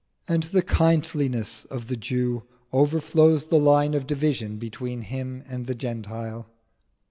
And the kindliness of the Jew overflows the line of division between him and the Gentile.